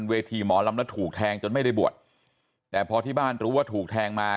หมอลำแล้วถูกแทงจนไม่ได้บวชแต่พอที่บ้านรู้ว่าถูกแทงมา